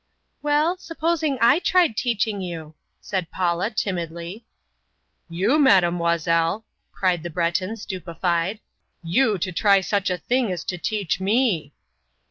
"Well, supposing I tried teaching you?" said Paula timidly. "You, Mademoiselle!" cried the Breton stupefied, "you to try such a thing as to teach me!"